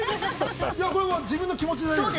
自分の気持ちで大丈夫ですよ。